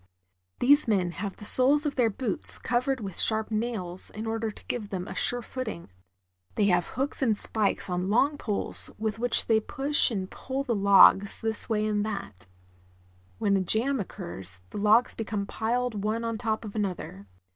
These men have the soles of their boots covered with sharp nails in order to give them a sure footing. They have hooks and spikes LUMBERING. 1 89 on long poles, with which they push and pull the logs this way and that. When a jam occurs, the logs become piled one on top of another.